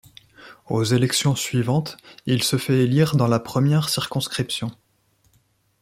Aux élections suivantes, il se fait élire dans la première circonscription.